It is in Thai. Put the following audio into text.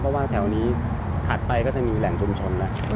เพราะว่าแถวนี้ถัดไปก็จะมีแหล่งชุมชนแล้ว